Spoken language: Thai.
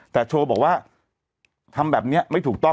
แต่โชว์บอกว่าทำแบบนี้ไม่ถูกต้อง